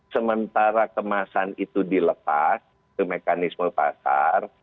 sementara kemasan itu dilepas itu mekanisme pasar